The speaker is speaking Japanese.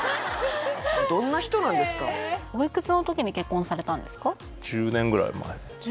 どんな人なんですかおいくつの時に結婚されたんですか？